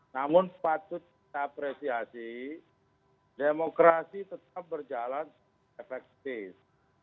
namun patut kita apresiasi demokrasi tetap berjalan efektif